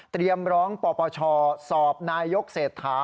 เตรียมร้องปปชดนายกเศรษฐา